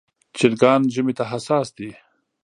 چرګان ژمي ته حساس دي.